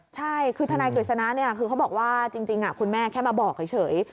ใช่คือทนายกฤษณะคือเขาบอกว่าจริงคุณแม่แค่มาบอกเฉย